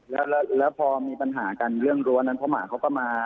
แล้วพอมีปัญหากันเรื่องรั้วนั้นพ่อหมาเขาก็มา